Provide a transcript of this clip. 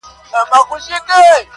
پاک پر شرعه برابر مسلمانان دي,